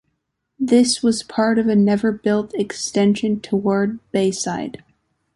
This was part of a never-built extension toward Bayside.